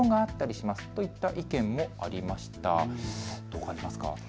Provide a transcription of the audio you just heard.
どう感じますか。